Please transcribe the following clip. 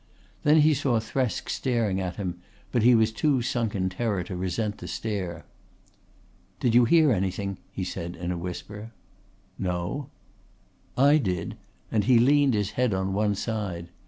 Then he saw Thresk staring at him, but he was too sunk in terror to resent the stare. "Did you hear anything?" he said in a whisper. "No." "I did," and he leaned his head on one side.